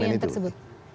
di apartemen itu